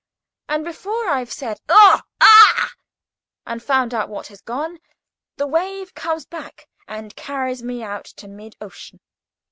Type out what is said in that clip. And, before I've said "Oh! Ugh!" and found out what has gone, the wave comes back and carries me out to mid ocean.